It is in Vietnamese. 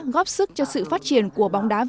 góp sức cho sự phát triển của bóng đá